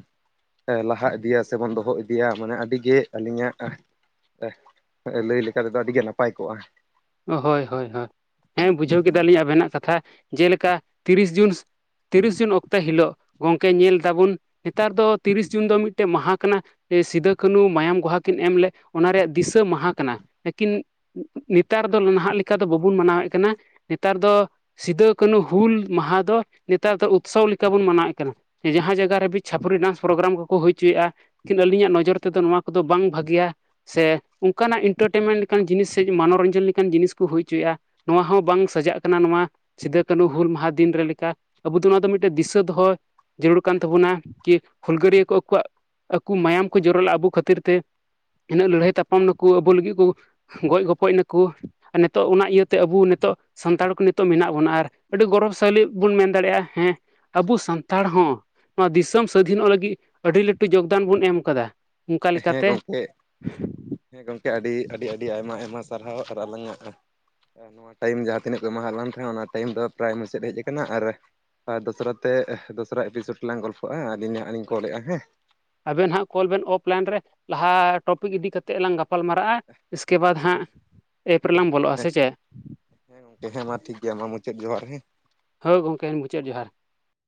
ᱞᱟᱦᱟ ᱤᱫᱤᱭᱟ ᱥᱮᱵᱚᱱ ᱫᱚᱦᱚ ᱤᱫᱤᱭᱟ ᱢᱟᱱᱮ ᱟᱹᱰᱤ ᱜᱮ ᱟᱹᱞᱤᱧᱟᱜ ᱞᱟᱹᱭ ᱞᱮᱠᱟ ᱛᱮᱫᱚ ᱟᱹᱰᱤ ᱜᱮ ᱱᱟᱯᱟᱭ ᱠᱚᱣᱟ᱾ ᱦᱳᱭ ᱦᱳᱭ ᱦᱳᱭ ᱦᱮᱸ ᱵᱩᱡᱷᱟᱹᱣ ᱠᱮᱫᱟᱞᱤᱧ ᱟᱵᱮᱱᱟᱜ ᱠᱟᱛᱷᱟ ᱡᱮ ᱞᱮᱠᱟ ᱛᱤᱨᱤᱥ ᱡᱩᱱ ᱛᱤᱨᱤᱥ ᱡᱩᱱ ᱚᱠᱛᱚ ᱦᱤᱞᱳᱜ ᱜᱚᱝᱠᱮ ᱧᱮᱞ ᱫᱟᱵᱚᱱ, ᱱᱮᱛᱟᱨ ᱫᱚ ᱛᱤᱨᱤᱥ ᱡᱩᱱ ᱫᱚ ᱢᱤᱫᱴᱮᱱ ᱢᱟᱦᱟ ᱠᱟᱱᱟ᱾ ᱥᱤᱫᱩ-ᱠᱟᱱᱦᱩ ᱢᱟᱭᱟᱢ ᱜᱚᱦᱟ ᱠᱤᱱ ᱮᱢ ᱞᱮᱫ, ᱚᱱᱟ ᱨᱮᱭᱟᱜ ᱫᱤᱥᱟᱹ ᱢᱟᱦᱟ ᱠᱟᱱᱟ᱾ ᱞᱮᱠᱤᱱ ᱱᱤᱛ ᱱᱮᱛᱟᱨ ᱫᱚ ᱱᱟᱦᱟᱜ ᱞᱮᱠᱟ ᱫᱚ ᱵᱟᱵᱚᱱ ᱢᱟᱱᱟᱣ ᱮᱫ ᱠᱟᱱᱟ᱾ ᱱᱮᱛᱟᱨ ᱫᱚ ᱥᱤᱫᱩ ᱠᱟᱹᱱᱦᱩ ᱦᱩᱞ ᱢᱟᱦᱟ ᱫᱚ ᱱᱮᱛᱟᱨ ᱫᱚ ᱩᱛᱥᱚᱵᱽ ᱞᱮᱠᱟ ᱵᱚᱱ ᱢᱟᱱᱟᱣᱮᱫ ᱠᱟᱱᱟ᱾ ᱡᱟᱦᱟᱸ ᱡᱟᱭᱜᱟ ᱨᱮᱵᱤ ᱪᱷᱟᱯᱟᱹᱨᱤ ᱰᱟᱱᱥ ᱯᱨᱳᱜᱨᱟᱢ ᱠᱚᱠᱚ ᱦᱩᱭ ᱦᱚᱪᱚᱭᱮᱫᱼᱟ᱾ ᱠᱤᱱᱛᱩ ᱟᱹᱞᱤᱧᱟᱜ ᱱᱚᱡᱚᱨ ᱛᱮᱫᱚ ᱱᱚᱣᱟ ᱠᱚᱫᱚ ᱵᱟᱝ ᱵᱷᱟᱹᱜᱮᱭᱟ᱾ ᱥᱮ ᱚᱱᱠᱟ ᱱᱟᱜ ᱤᱱᱴᱟᱨᱴᱮᱱᱢᱮᱱᱴ ᱞᱮᱠᱟᱱ ᱡᱤᱱᱤᱥ ᱥᱮ ᱢᱚᱱᱚᱨᱚᱧᱡᱚᱱ ᱢᱮᱱ ᱞᱮᱠᱟᱱ ᱡᱤᱱᱤᱥ ᱠᱚ ᱦᱩᱭ ᱦᱚᱪᱚᱭᱼᱟ᱾ ᱱᱚᱣᱟ ᱦᱚᱸ ᱵᱟᱝ ᱥᱟᱡᱟᱜ ᱠᱟᱱᱟ ᱱᱚᱣᱟ ᱥᱤᱫᱩᱼ ᱠᱟᱹᱱᱦᱩ ᱦᱩᱞ ᱢᱟᱦᱟ ᱫᱤᱱ ᱨᱮ ᱞᱮᱠᱟ᱾ ᱟᱵᱚ ᱫᱚ ᱱᱚᱣᱟ ᱫᱚ ᱢᱤᱫᱴᱮᱱ ᱫᱤᱥᱟᱹ ᱫᱚᱦᱚᱭ ᱡᱟᱹᱨᱩᱲ ᱠᱟᱱ ᱛᱟᱵᱚᱱᱟ ᱠᱤ ᱦᱩᱞᱜᱟᱹᱨᱭᱟᱹ ᱠᱚ ᱟᱠᱚᱣᱟᱜ ᱟᱠᱚ ᱢᱟᱭᱟᱢ ᱠᱚ ᱡᱚᱨᱚ ᱞᱟ-ᱟ᱾ ᱟᱵᱚ ᱠᱷᱟᱹᱛᱤᱨ ᱛᱮ ᱤᱱᱟᱹᱜ ᱞᱟᱹᱲᱦᱟᱹᱭ ᱛᱟᱯᱟᱢ ᱱᱩᱠᱩ ᱟᱵᱩ ᱞᱟᱹᱜᱤᱫ ᱠᱚ ᱜᱚᱡ ᱜᱚᱯᱚᱡ ᱱᱟ ᱠᱚ ᱟᱨ ᱱᱤᱛᱚᱜ ᱚᱱᱟ ᱤᱭᱟᱹᱛᱮ ᱟᱵᱚ ᱱᱤᱛᱚᱜ ᱥᱟᱱᱛᱟᱲ ᱠᱚ ᱱᱤᱛᱚᱜ ᱢᱮᱱᱟᱜ ᱵᱚᱱᱟ ᱟᱨ ᱟᱹᱰᱤ ᱜᱚᱨᱚᱵᱽ ᱥᱟᱹᱞᱤᱡ ᱵᱚᱱ ᱢᱮᱱ ᱫᱟᱲᱮᱭᱟᱜᱼᱟ, ᱦᱮᱸ ᱟᱵᱚ ᱥᱟᱱᱛᱟᱲ ᱦᱚᱸ ᱱᱚᱣᱟ ᱫᱤᱥᱚᱢ ᱥᱟᱹᱫᱷᱤᱱᱚᱜ ᱞᱟᱹᱜᱤᱫ ᱟᱹᱰᱤ ᱞᱟᱹᱴᱩ ᱡᱳᱜᱽᱫᱟᱱ ᱵᱚᱱ ᱮᱢ ᱠᱟᱫᱟ᱾ ᱦᱮᱸ ᱜᱚᱢᱠᱮ ᱦᱮᱸ ᱜᱚᱢᱠᱮ ᱟᱹᱰᱤ ᱟᱹᱰᱤ ᱟᱹᱰᱤ ᱟᱭᱢᱟ ᱟᱭᱢᱟ ᱥᱟᱨᱦᱟᱣ ᱟᱨ ᱟᱞᱟᱝ-ᱟᱜ ᱱᱚᱣᱟ ᱴᱟᱭᱤᱢ ᱡᱟᱦᱟᱸ ᱛᱤᱱᱟᱹᱜ ᱠᱚ ᱮᱢᱟᱦᱟᱞᱟᱝ ᱠᱟᱱᱟ᱾ ᱚᱱᱟ ᱴᱟᱭᱤᱢ ᱫᱚ ᱯᱨᱟᱭ ᱢᱩᱪᱟᱹᱫ ᱦᱮᱡ ᱟᱠᱟᱱᱟ ᱟᱨ ᱟᱨ ᱫᱚᱥᱨᱟ ᱛᱮ ᱫᱚᱥᱨᱟ ᱮᱯᱤᱥᱳᱰ ᱨᱮᱞᱟᱝ ᱜᱚᱞᱯᱷᱚᱜᱼᱟ᱾ ᱟᱹᱞᱤᱧ ᱱᱟᱦᱟᱜ ᱞᱤᱧ ᱠᱚᱞᱮᱫᱼᱟ ᱦᱮᱸ ᱟᱵᱮᱱ ᱦᱟᱸᱜ ᱠᱚᱞ ᱵᱮᱱ ᱚᱯᱷᱞᱟᱭᱤᱱ ᱨᱮ ᱞᱟᱦᱟ ᱴᱚᱯᱤᱠ ᱤᱫᱤ ᱠᱟᱛᱮᱜ ᱞᱟᱝ ᱜᱟᱯᱟᱞ ᱢᱟᱨᱟᱜᱼᱟ᱾ ᱤᱥ-ᱠᱮ ᱦᱮᱸ ᱵᱟᱫᱽ ᱦᱮᱸ ᱦᱟᱸᱜ ᱮᱯ ᱨᱮᱞᱟᱝ ᱵᱚᱞᱚᱜᱼᱟ ᱥᱮ ᱪᱮᱫ? ᱦᱮᱸ ᱜᱚᱝᱠᱮ ᱦᱮᱸ ᱢᱟ ᱴᱷᱤᱠ ᱜᱮᱭᱟ ᱢᱟ ᱢᱩᱪᱟᱹᱫ ᱡᱚᱦᱟᱨ ᱦᱮᱸ᱾ ᱦᱳᱭ ᱜᱚᱢᱠᱮ ᱢᱩᱪᱟᱹᱫ ᱡᱚᱦᱟᱨ᱾